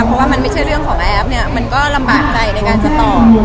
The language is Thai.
เพราะว่ามันไม่ใช่เรื่องของแอฟเนี่ยมันก็ลำบากใจในการจะตอบ